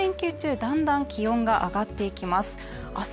だんだん気温が上がっていきます